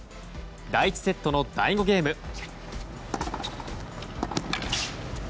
第１セットの第５ゲーム。